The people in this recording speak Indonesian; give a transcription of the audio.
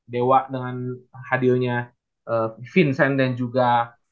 dewa dengan hadirnya vincent dan juga